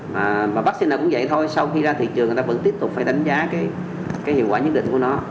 mà vaccine nào cũng vậy thôi sau khi ra thị trường người ta vẫn tiếp tục phải đánh giá cái hiệu quả nhất định của nó